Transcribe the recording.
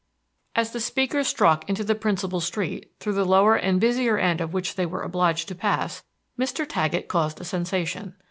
As the speakers struck into the principal street, through the lower and busier end of which they were obliged to pass, Mr. Taggett caused a sensation.